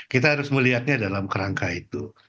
kita harus melihatnya dalam kerangka itu